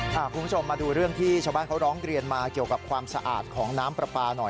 คุณผู้ชมมาดูเรื่องที่ชาวบ้านเขาร้องเรียนมาเกี่ยวกับความสะอาดของน้ำปลาปลาหน่อย